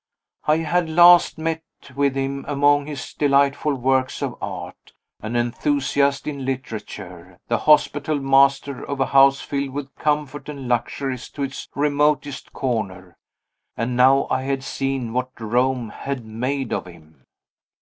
I had last met with him among his delightful works of art; an enthusiast in literature; the hospitable master of a house filled with comforts and luxuries to its remotest corner. And now I had seen what Rome had made of him.